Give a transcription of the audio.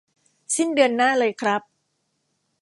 สิ้นเดือนหน้าเลยครับ